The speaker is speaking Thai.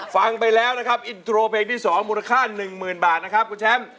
ฟังไปแล้วนะครับอินโทรเพลงที่๒มูลค่า๑๐๐๐บาทนะครับคุณแชมป์